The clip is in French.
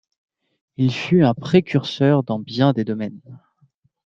Il fut un précurseur dans bien des domaines.